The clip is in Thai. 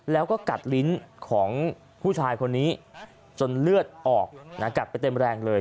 แล้วก็กัดลิ้นของผู้ชายคนนี้จนเลือดออกกัดไปเต็มแรงเลย